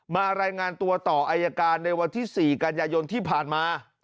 รายงานตัวต่ออายการในวันที่๔กันยายนที่ผ่านมา